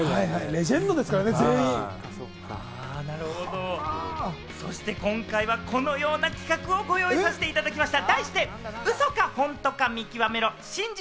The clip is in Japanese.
レジェンドばっかりですからそして今回はこのような企画をご用意させていただきました。